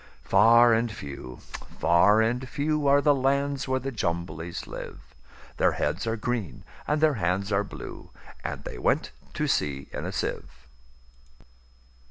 Far and few, far and few, Are the lands where the Jumblies live:Their heads are green, and their hands are blue; And they went to sea in a sieve.